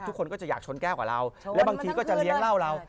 ทุกคนก็จะอยากชนแก้วกว่าเราและบางทีก็จะเลี้ยงเหล้าเรา